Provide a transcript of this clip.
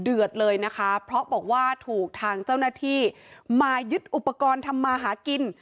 เดือดเลยนะคะเพราะบอกว่าถูกทางเจ้าหน้าที่มายึดอุปกรณ์ทำมาหากิน